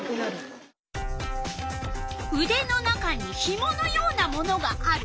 うでの中にひものようなものがある。